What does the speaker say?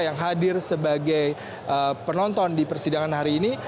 yang hadir sebagai penonton di persidangan hari ini